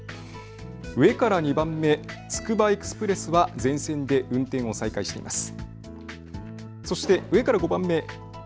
つくばエクスプレスは全線で運転を再開しています。